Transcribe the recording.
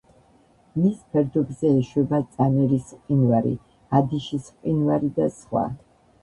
მის ფერდობზე ეშვება წანერის მყინვარი, ადიშის მყინვარი და სხვა.